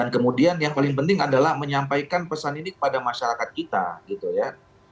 kemudian yang paling penting adalah menyampaikan pesan ini kepada masyarakat kita gitu ya